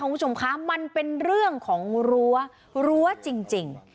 คุณผู้ชมคะมันเป็นเรื่องของรั้วรั้วจริง